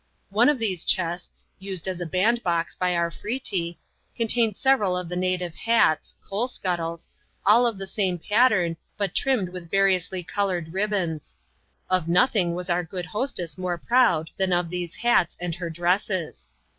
One of these chests — used as a bandbox by Arfretee — contained several of the native hats (coal scuttles), all of the same pattern, but trimmed with variously coloured ribbons. Of nothing was our good hostess more proud than of these hats, and her dresses.